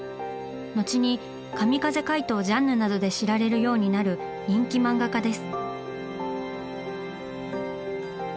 のちに「神風怪盗ジャンヌ」などで知られるようになる人気漫画家です。